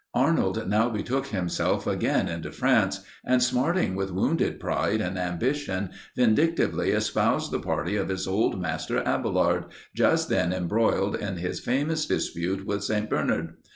Arnold now betook himself again into France; and smarting with wounded pride and ambition, vindictively espoused the party of his old master Abailard, just then embroiled in his famous dispute with St. Bernard.